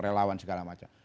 relawan segala macam